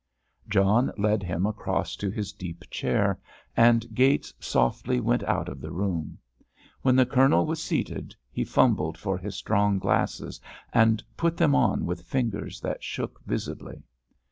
John led him across to his deep chair, and Gates softly went out of the room. When the Colonel was seated, he fumbled for his strong glasses, and put them on with fingers that shook visibly.